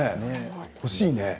欲しいね。